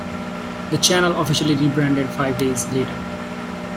The channel officially rebranded five days later.